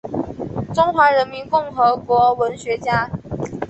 中华人民共和国文学家。